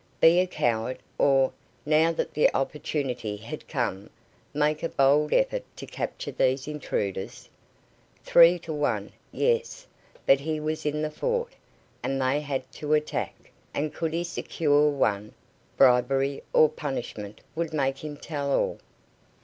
Be a coward, or, now that the opportunity had come, make a bold effort to capture these intruders? Three to one. Yes; but he was in the fort, and they had to attack, and could he secure one, bribery or punishment would make him tell all.